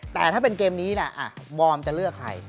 แต่ถ้าเป็นเกมนี้วอร์มจะเลือกใคร